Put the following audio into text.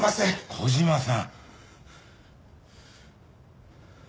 小島さん。